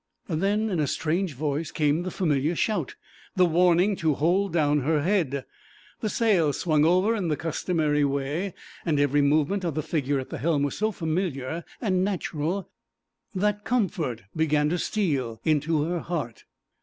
Then in a strange voice came the familiar shout, the warning to hold down her head. The sail swung over in the customary way; every movement of the figure at the helm was so familiar and natural that comfort began to steal into her heart.